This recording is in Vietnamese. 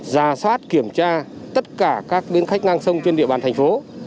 giả soát kiểm tra tất cả các bến khách ngang sông trên địa bàn thành phố